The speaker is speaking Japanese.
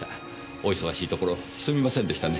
お忙しいところをすみませんでしたね。